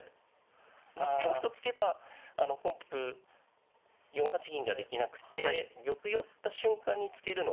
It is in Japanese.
６四歩と突けば本譜４八銀ができなくて玉寄った瞬間に突けるので。